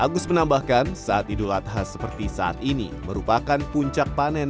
agus menambahkan saat idul adha seperti saat ini merupakan puncak panen